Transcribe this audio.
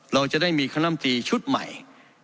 เราจะได้มีคณะลำตีชุดใหม่